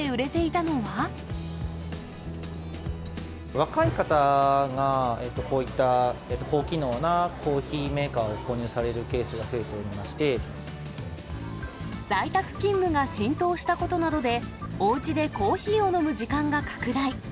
若い方が、こういった高機能なコーヒーメーカーを購入されるケースが増えて在宅勤務が浸透したことなどで、おうちでコーヒーを飲む時間が拡大。